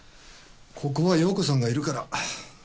ここは陽子さんがいるから。